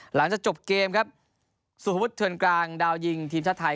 หลังจากจบเกมครับสุภพพุธธิวรรณการดาวยิงทีมชาตรไทย